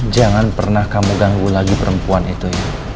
jangan pernah kamu ganggu lagi perempuan itu